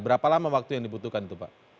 berapa lama waktu yang dibutuhkan itu pak